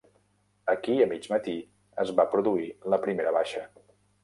Aquí, a mig matí, es va produir la primera baixa.